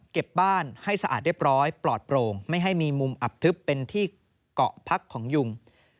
บ้านให้สะอาดเรียบร้อยปลอดโปร่งไม่ให้มีมุมอับทึบเป็นที่เกาะพักของยุง